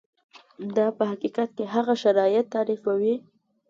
دا په حقیقت کې هغه شرایط تعریفوي.